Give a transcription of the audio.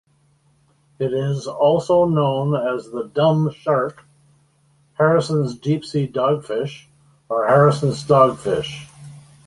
It is also known as the dumb shark, Harrison's deep-sea dogfish, or Harrison's dogfish.